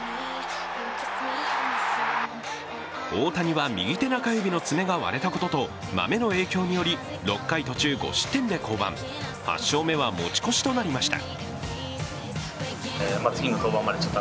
大谷は右手中指の爪が割れたことと、マメの影響により６回途中５失点で降板、８勝目は持ち越しとなりました。